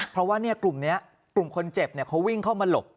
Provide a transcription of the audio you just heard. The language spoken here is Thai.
เพราะว่ากลุ่มนี้กลุ่มคนเจ็บเขาวิ่งเข้ามาหลบ